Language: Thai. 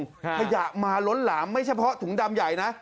ขยะมาล้นหลามไม่เฉพาะถุงดำใหญ่นะ